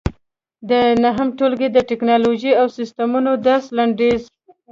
د نهم ټولګي د ټېکنالوجۍ او سیسټمونو درس لنډیز